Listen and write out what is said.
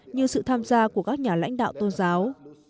như sự tham gia của các nhà lãnh đạo tôn giáo